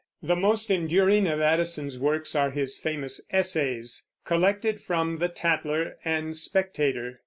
The most enduring of Addison's works are his famous Essays, collected from the Tatler and _Spectator.